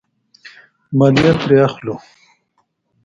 مالیه ترې اخلو.